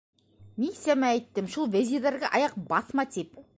Нисәмә әйттем, шул Вәзирҙәргә аяҡ баҫма, тип.